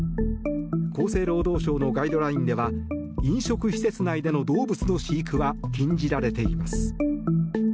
厚生労働省のガイドラインでは飲食施設内での動物の飼育は禁じられています。